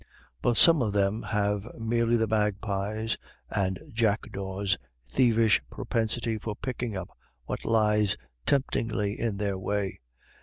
But some of them have merely the magpies' and jackdaws' thievish propensity for picking up what lies temptingly in their way.